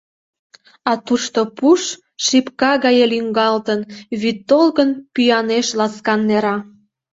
А тушто пуш, шипка гае лӱҥгалтын, вӱд толкын пӱанеш ласкан нера.